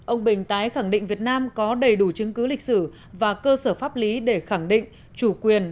ông bình tái khẳng định việt nam có đầy đủ chứng cứ lịch sử và cơ sở pháp lý để khẳng định chủ quyền